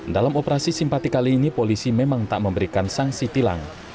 dalam operasi simpati kali ini polisi memang tak memberikan sanksi tilang